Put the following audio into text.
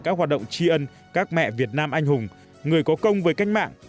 các hoạt động tri ân các mẹ việt nam anh hùng người có công với cách mạng